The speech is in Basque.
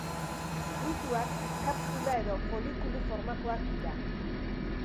Fruituak kapsula- edo folikulu-formakoak dira.